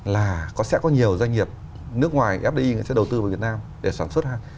là sẽ có nhiều doanh nghiệp nước ngoài fdi người sẽ đầu tư vào việt nam để sản xuất hàng